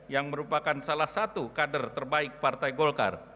yang merupakan salah satu kader terbaik partai golkar